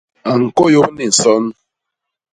A ñkôyôp ni nson.